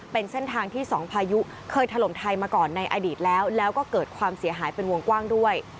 เป็นเส้นทางที่สองพายุเคยถล่มไทยมาก่อนในอดีตแล้วแล้วก็เกิดความเสียหายเป็นวงกว้างด้วย